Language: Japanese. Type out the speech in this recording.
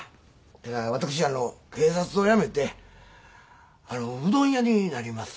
えー私あの警察を辞めてあのうどん屋になります。